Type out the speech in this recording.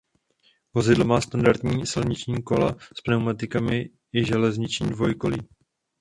Vozidlo má standardní silniční kola s pneumatikami i železniční dvojkolí.